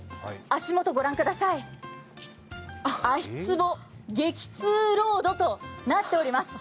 足元ご覧ください、足つぼ激痛ロードとなっております。